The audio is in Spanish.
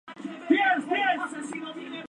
Los arqueólogos han comenzado a excavar el área.